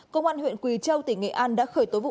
công an huyện quỳ châu tỉnh nghệ an đã khởi tố vụ án